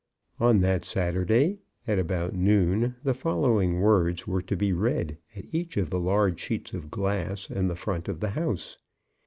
On that Saturday at about noon the following words were to be read at each of the large sheets of glass in the front of the house.